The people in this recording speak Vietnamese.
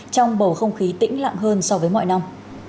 trong bầu không khí tĩnh lặng hơn so với mọi năm